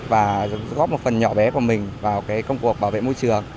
và góp một phần nhỏ bé của mình vào công cuộc bảo vệ môi trường